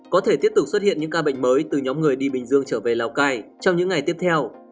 có thể tiếp tục xuất hiện những ca bệnh mới từ nhóm người đi bình dương trở về lào cai trong những ngày tiếp theo